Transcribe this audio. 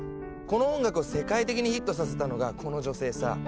この音楽を世界的にヒットさせたのがこの女性さ。